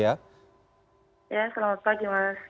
ya selamat pagi mas